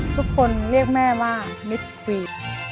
ทุกคนเรียกแม่ว่ามิตรควีด